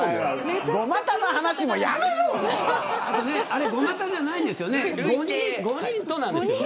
あれ、５股じゃないんですよね